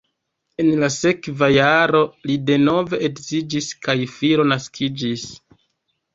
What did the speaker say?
En la sekva jaro li denove edziĝis kaj filo naskiĝis.